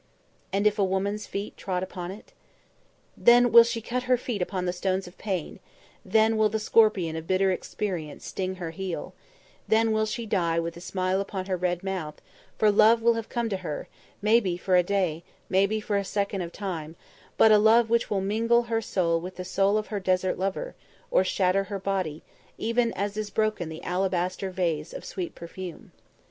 "And if a woman's feet trod upon it?" "Then will she cut her feet upon the stones of pain; then will the scorpion of bitter experience sting her heel; then will she die with a smile upon her red mouth, for love will have come to her, maybe for a day, maybe for a second of time, but a love which will mingle her soul with the soul of her desert lover, or shatter her body, even as is broken the alabaster vase of sweet perfume.